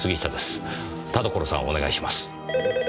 田所さんをお願いします。